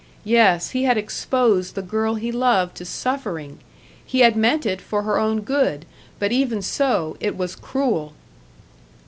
Yes, he had exposed the girl he loved to suffering! He had meant it for her own good, but even so, it was cruel!